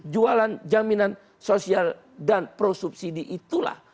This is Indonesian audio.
jualan jaminan sosial dan prosubsidi itulah